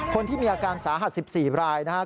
คนที่มีอาการสาหัส๑๔รายนะครับ